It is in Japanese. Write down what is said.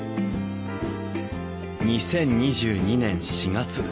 ２０２２年４月。